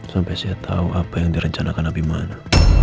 sampai saya tahu apa yang direncanakan abimana